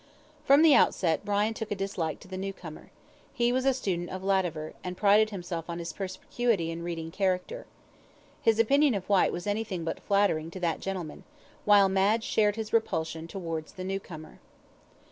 From the outset Brian took a dislike to the new comer. He was a student of Lavater, and prided himself on his perspicuity in reading character. His opinion of Whyte was anything but flattering to that gentleman; while Madge shared his repulsion towards the new comer.